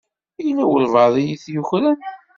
Yella walebɛaḍ i yi-t-yukren.